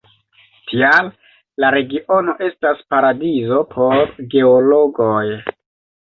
Tial la regiono estas paradizo por geologoj.